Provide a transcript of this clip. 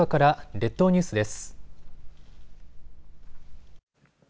列島ニュースです。